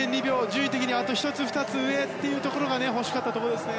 順位的にはあと１つ、２つ上というところが欲しかったところですね。